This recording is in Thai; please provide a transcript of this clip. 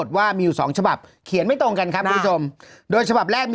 ทางหน้าศูนย์นบรงทำนะครับผม